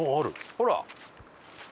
ほら。